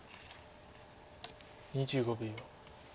２５秒。